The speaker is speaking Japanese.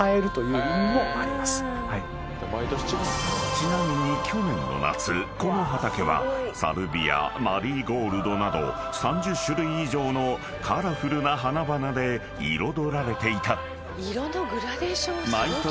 ［ちなみに去年の夏この畑はサルビアマリーゴールドなど３０種類以上のカラフルな花々で彩られていた］